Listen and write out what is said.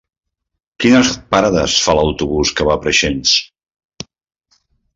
Quines parades fa l'autobús que va a Preixens?